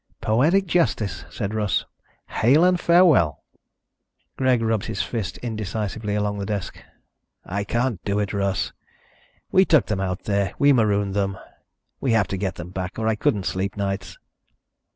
"Poetic justice," said Russ. "Hail and farewell." Greg rubbed his fist indecisively along the desk. "I can't do it, Russ. We took them out there. We marooned them. We have to get them back or I couldn't sleep nights."